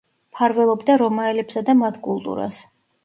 მფარველობდა რომაელებსა და მათ კულტურას.